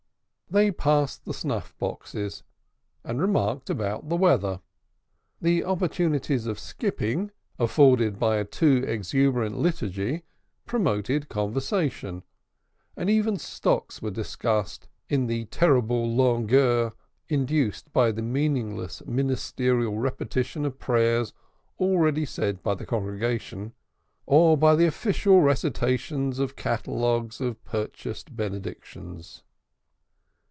They passed the snuff boxes and remarks about the weather. The opportunities of skipping afforded by a too exuberant liturgy promoted conversation, and even stocks were discussed in the terrible longueurs induced by the meaningless ministerial repetition of prayers already said by the congregation, or by the official recitations of catalogues of purchased benedictions.